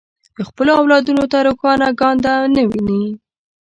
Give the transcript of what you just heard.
د خپلو اولادونو ته روښانه ګانده نه ویني.